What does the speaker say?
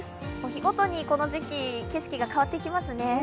日ごとにこの時季景色が変わってきますね。